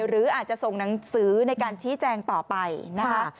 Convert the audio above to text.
หรืออาจจะส่งหนังสือในการชี้แจงต่อไปนะคะ